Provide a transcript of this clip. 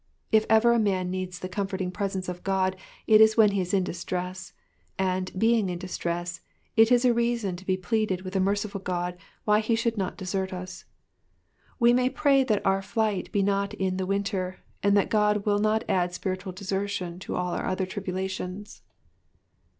If ever a man needs the comforting presence of God it is when be is in dbtress ; and, being in distress, it is a reason to be pleaded with a mer ciful €k)d why he should not desert us. We may pray that our flight be not in the winter, and that God will not add spiritual desertion to all our other tribulations.